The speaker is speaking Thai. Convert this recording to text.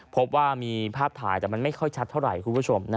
พบว่ามีภาพถ่ายแต่มันไม่ค่อยชัดเท่าไหร่คุณผู้ชม